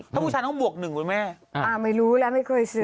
ถ้าผู้ชายต้องบวกหนึ่งคุณแม่ไม่รู้แล้วไม่เคยซื้อ